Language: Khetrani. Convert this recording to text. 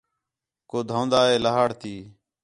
کُو دھون٘دا ہے سہاڑ تی